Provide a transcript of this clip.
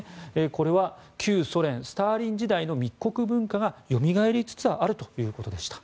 これは旧ソ連スターリン時代の密告文化がよみがえりつつあるということでした。